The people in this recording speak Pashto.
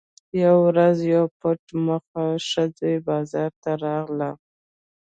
یوه ورځ یوه پټ مخې ښځه بازار ته راغله.